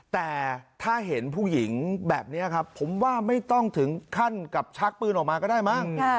แต่ถ้าเห็นผู้หญิงแบบนี้ครับผมว่าไม่ต้องถึงขั้นกับชักปืนออกมาก็ได้มั้ง